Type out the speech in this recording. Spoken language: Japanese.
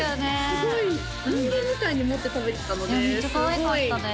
すごい人間みたいに持って食べてたのでめっちゃかわいかったです